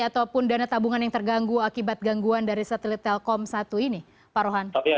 ataupun dana tabungan yang terganggu akibat gangguan dari satelit telkom satu ini pak rohan